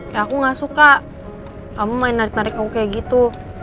ya aku gak suka kamu main narik narik yang kayak gitu